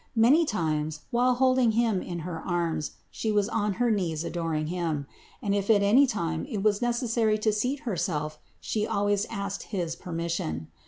Many times, while holding Him in her arms, She was on her knees adoring Him; and if at any time it was necessary to seat Herself She always asked his permission.